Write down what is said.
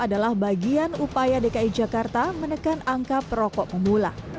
adalah bagian upaya dki jakarta menekan angka perokok pemula